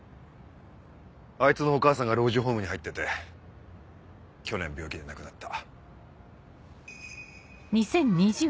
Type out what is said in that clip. あいつのお母さんが老人ホームに入ってて去年病気で亡くなった。